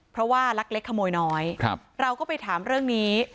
เพราะว่าลักเล็กขโมยน้อยเราก็ไปถามเรื่องนี้